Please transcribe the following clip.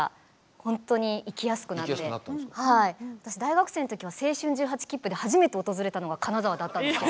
私大学生の時は青春１８きっぷで初めて訪れたのが金沢だったんですよ。